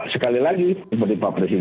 sekali lagi berdipa presiden